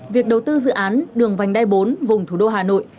việc đầu tư dự án đường vành đai bốn vùng thủ đô hà nội